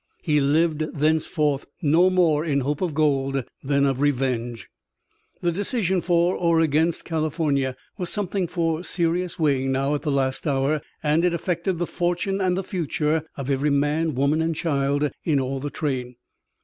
He lived thenceforth no more in hope of gold than of revenge. The decision for or against California was something for serious weighing now at the last hour, and it affected the fortune and the future of every man, woman and child in all the train.